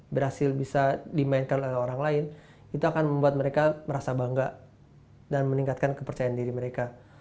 berhasil bisa dimainkan oleh orang lain itu akan membuat mereka merasa bangga dan meningkatkan kepercayaan diri mereka